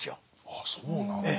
ああそうなんだ。